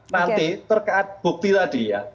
nanti terkait bukti tadi ya